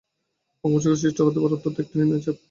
বঙ্গোপসাগরে সৃষ্টি হতে পারে অন্তত একটি নিম্নচাপ।